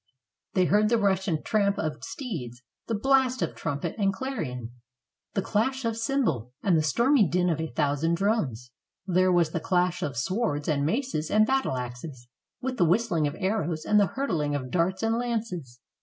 They heard the rush and tramp of steeds, the blast of trumpet and clarion, the clash of cymbal, and the stormy din of a thousand drums. There was the clash of swords and maces and battle axes, with the whistling of arrows and the hurtling of darts and lances.